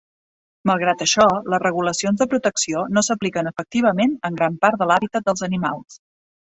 Malgrat això, les regulacions de protecció no s'apliquen efectivament en gran part de l'hàbitat dels animals.